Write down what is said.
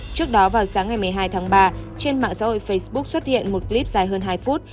trước đó vào sáng ngày một mươi hai tháng ba trên mạng xã hội facebook xuất hiện một clip dài hơn hai phút